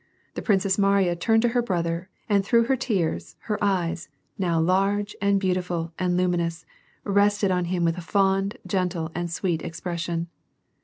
The Princess Mariya turned to her brother, and through her tears, her eyes, now large and beautiful and luminous, rested on him with a fond, gentle, and sweet expression.